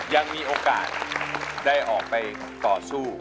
ยังมีโอกาสได้ออกไปต่อสู้